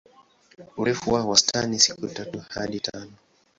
Urefu wa wastani siku tatu hadi tano.